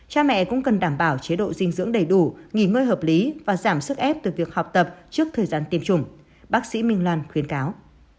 cha mẹ cũng cần đảm bảo chế độ dinh dưỡng đầy đủ nghỉ ngơi hợp lý và giảm sức ép từ việc học tập trước thời gian tiêm chủng bác sĩ minh loan khuyến cáo